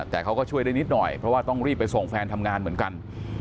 แต่เขาก็ช่วยได้นิดหน่อยเพราะว่าต้องรีบไปส่งแฟนทำงานเหมือนกัน